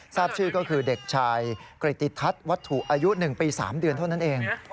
ทราบชื่อก็คือเด็กชายกริติทัศน์วัตถุอายุ๑ปี๓เดือนเท่านั้นเอง